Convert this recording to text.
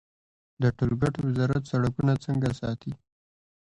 د ټولګټو وزارت سړکونه څنګه ساتي؟